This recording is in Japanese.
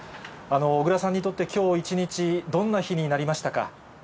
小倉さんにとって、きょう一日、どんな日になりましたか。